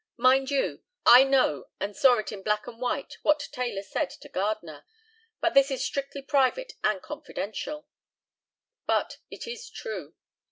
Mind you, I know and saw it in black and white what Taylor said to Gardner; but this is strictly private and confidential, but it is true.